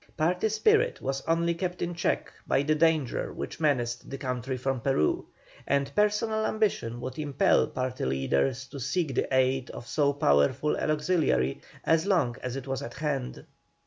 Party spirit was only kept in check by the danger which menaced the country from Peru, and personal ambition would impel party leaders to seek the aid of so powerful an auxiliary so long as it was at hand.